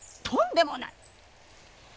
とんでもない。